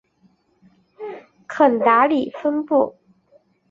肯达里分布。